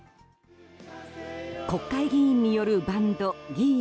国会議員によるバンドＧｉ！